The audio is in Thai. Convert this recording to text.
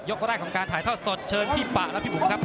ยกแรกของการถ่ายเท่าสดเชิญพี่ป่าและพี่หมูครับ